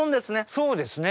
そうですね。